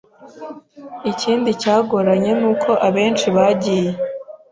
Ikindi cyagoranye n’uko abenshi bagiye